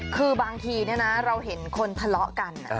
คือบางทีเราเห็นคนทะเลาะกัน